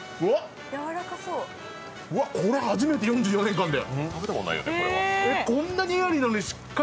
これ、初めて４４年間で。